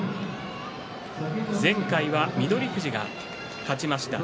前回は翠富士が勝ちました。